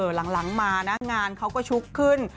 หลังมานะงานเขาก็ชุกขึ้น